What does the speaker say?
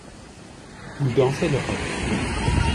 Vous dansez le rock.